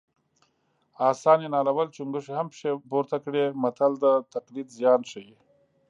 اسان یې نالول چونګښو هم پښې پورته کړې متل د تقلید زیان ښيي